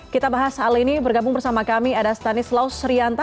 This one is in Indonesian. kita bahas hal ini bergabung bersama kami ada stanislaus srianta